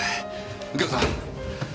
右京さん。